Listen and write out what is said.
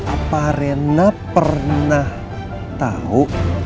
apa rena pernah tahu